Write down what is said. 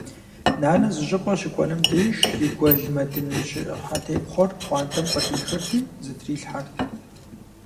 Нанэ зы щӏыпӏэ щыкӏуэнум деж и гуэлмэдын щхьэтепхъуэр пхъуантэм къыдихырти зытрилъхьэрт.